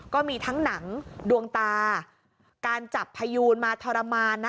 ก็มีทั้งหนังดวงตาการจับพยูนมาทรมานนะ